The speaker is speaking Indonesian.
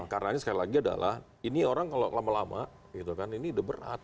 karena ini sekali lagi adalah ini orang kalau lama lama ini udah berat